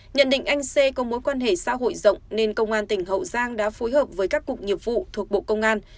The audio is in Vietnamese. nhận định anh c có mối quan hệ xã hội rộng nên công an tỉnh hậu giang đã phối hợp với các cục nghiệp vụ thuộc bộ công an